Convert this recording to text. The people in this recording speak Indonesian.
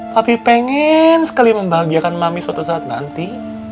papi ingin sekali membahagiakan mami suatu saat nanti